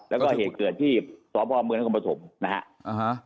แล้วก็เหตุเกิดที่สบมคมประสมนะฮะ